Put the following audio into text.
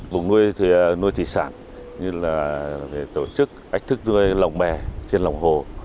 vùng nuôi thủy sản như là tổ chức ách thức nuôi lồng bè trên lòng hồ